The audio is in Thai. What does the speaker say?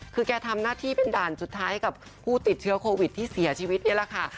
คือแกทำหน้าที่เป็นด่านสุดท้ายให้กับผู้ติดเชื้อโควิดที่เสียชีวิตนี่แหละค่ะ